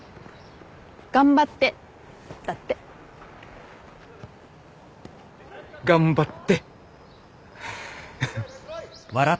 頑張ってだって。頑張って。